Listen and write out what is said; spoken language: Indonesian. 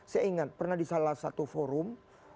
saya ingat pernah di salah satu forum